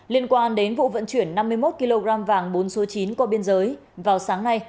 liên quan đến vụ vận chuyển năm mươi một kg vàng bốn số chín qua biên giới vào sáng nay